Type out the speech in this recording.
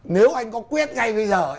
nếu anh có quyết ngay bây giờ